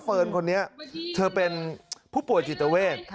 เฟิร์นคนนี้เธอเป็นผู้ป่วยจิตเวท